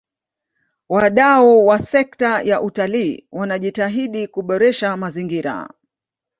wadau wa sekta ya utalii wanajitahidi kuboresha mazingira